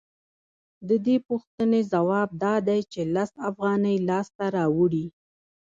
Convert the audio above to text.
د دې پوښتنې ځواب دا دی چې لس افغانۍ لاسته راوړي